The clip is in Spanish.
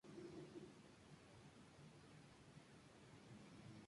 Afines de ese año ingresó Leonardo Martínez en guitarra.